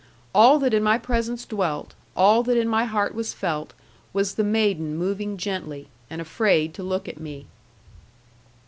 All that in my presence dwelt, all that in my heart was felt, was the maiden moving gently, and afraid to look at me.